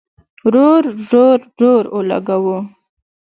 رور، رور، رور اولګوو